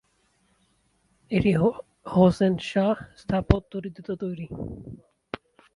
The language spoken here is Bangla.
এটি হোসেন-শাহ স্থাপত্য রীতিতে তৈরি।